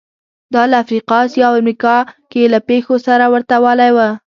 دا له افریقا، اسیا او امریکا کې له پېښو سره ورته والی و